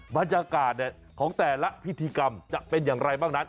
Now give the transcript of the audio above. บรรยากาศของแต่ละพิธีกรรมจะเป็นอย่างไรบ้างนั้น